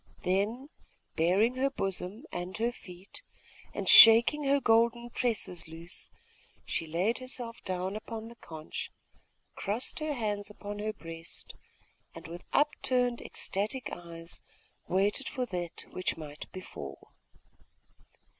Then, baring her bosom and her feet, and shaking her golden tresses loose, she laid herself down upon the conch, crossed her hands upon her breast, and, with upturned ecstatic eyes, waited for that which might befall.